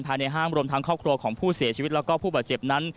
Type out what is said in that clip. ห้างรวมทั้งครอบครัวของผู้เสียชีวิตแล้วก็ผู้บาดเจ็บนั้น